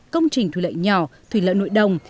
công trình thủy lợi nhỏ thủy lợi nội đồng